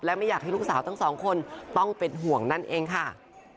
และไม่อยากให้ลูกสาวทั้งสองคนต้องเป็นห่วงนั่นเองค่ะ